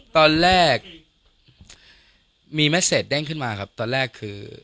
ตอนแรกมีเม็ดเสร็จเด้งขึ้นมาครับตอนแรกคือ